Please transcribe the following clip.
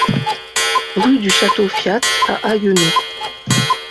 Rue du Château Fiat à Haguenau